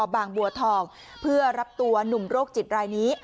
บางบัวทองเพื่อรับตัวหนุ่มโรคจิตรายนี้